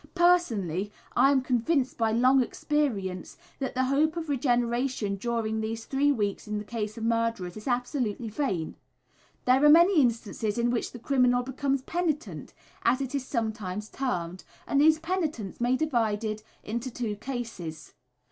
Personally, I am convinced by long experience, that the hope of regeneration during three weeks in the case of murderers is absolutely vain. There are many instances in which the criminal becomes "penitent," as it is sometimes termed, and these penitents may be divided into two classes.